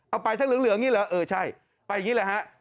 ไปทั้งเหลืองอย่างนี้เหรอเออใช่ไปอย่างนี้แหละฮะ